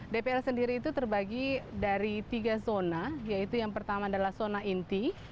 dpr sendiri itu terbagi dari tiga zona yaitu yang pertama adalah zona inti